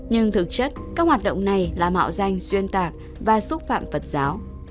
nhưng thực chất các hoạt động này là mạo danh xuyên tạc và xúc phạm phật giáo